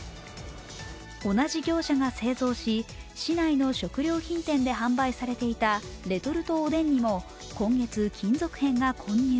同じ業者が製造し、市内の食料品店で販売されていたレトルトおでんにも今月、金属片が混入。